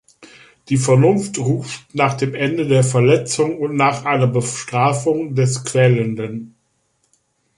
Die Vernunft ruft nach dem Ende der Verletzung und nach einer Bestrafung des Quälenden.